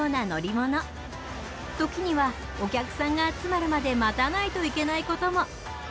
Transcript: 時にはお客さんが集まるまで待たないといけないことも。